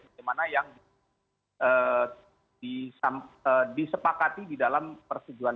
bagaimana yang disepakati di dalam persetujuan